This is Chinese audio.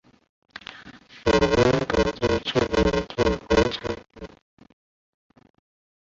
我妈昨天去了跳广场舞。